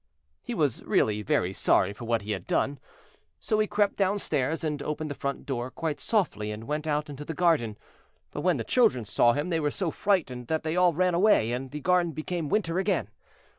He was really very sorry for what he had done. So he crept downstairs and opened the front door quite softly, and went out into the garden. But when the children saw him they were so frightened that they all ran away, and the garden became winter again.